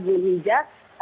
pada tanggal sebelas juli